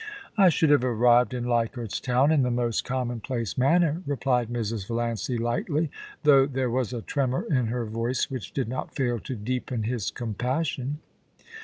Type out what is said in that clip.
*' I should have arrived in Leichardt's Town in the most commonplace manner,' replied Mrs. Valiancy lightly, though there was a tremor in her voice which did not fail to deepen his compassion.